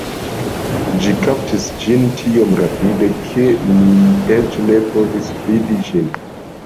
Ĝi kaptis ĝin tiom rapide, ke mi eĉ ne povis vidi ĝin